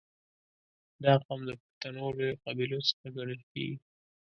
• دا قوم د پښتنو لویو قبیلو څخه ګڼل کېږي.